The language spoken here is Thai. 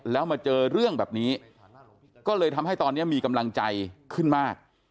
แล้วมาเจอเรื่องแบบนี้ก็เลยทำให้ตอนนี้มีกำลังใจขึ้นมาก